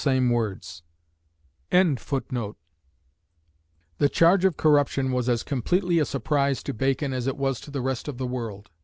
" The charge of corruption was as completely a surprise to Bacon as it was to the rest of the world.